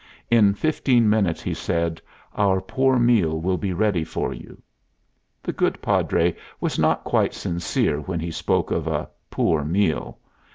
"In fifteen minutes," he said, "our poor meal will be ready for you." The good Padre was not quite sincere when he spoke of a "poor meal."